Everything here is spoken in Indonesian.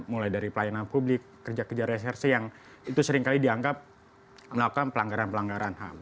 mulai dari pelayanan publik kerja kerja reserse yang itu seringkali dianggap melakukan pelanggaran pelanggaran ham